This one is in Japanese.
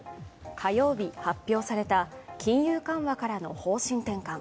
火曜日、発表された金融緩和からの方針転換。